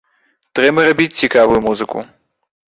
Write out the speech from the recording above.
Трэба рабіць цікавую музыку.